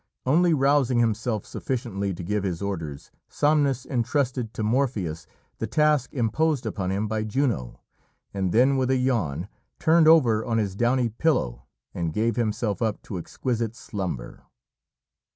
Only rousing himself sufficiently to give his orders, Somnus entrusted to Morpheus the task imposed upon him by Juno, and then, with a yawn, turned over on his downy pillow, and gave himself up to exquisite slumber.